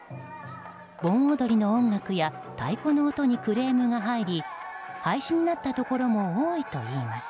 盆踊りの音楽や太鼓の音にクレームが入り廃止になったところも多いといいます。